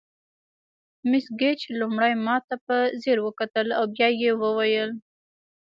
مس ګیج لومړی ماته په ځیر وکتل او بیا یې وویل.